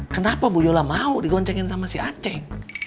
kenapa bu yola mau digoncengin sama si aceh